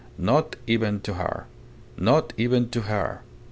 Not even to her. Not even to her.